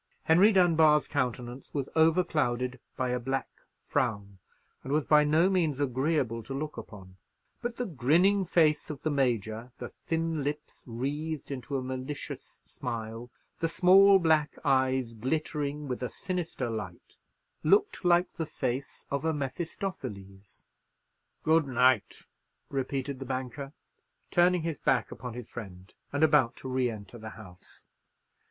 Henry Dunbar's countenance was overclouded by a black frown, and was by no means agreeable to look upon; but the grinning face of the Major, the thin lips wreathed into a malicious smile, the small black eyes glittering with a sinister light, looked like the face of a Mephistopheles. "Good night," repeated the banker, turning his back upon his friend, and about to re enter the house.